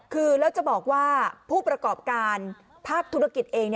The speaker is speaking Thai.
คือแล้วจะบอกว่าผู้ประกอบการภาคธุรกิจเอง